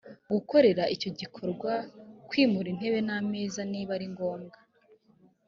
gukorera icyo gikorwa kwimura intebe n ameza niba ari ngombwa